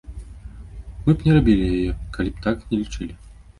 Мы б не рабілі яе, калі б так не лічылі.